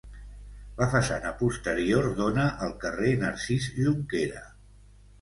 La façana posterior dóna al carrer Narcís Jonquera.